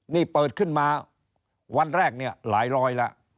นี่เปิดขึ้นมาวันแรกเนี่ยหลายร้อยแล้ว